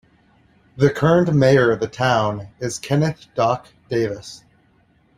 The current mayor of the town is Kenneth "Doc" Davis.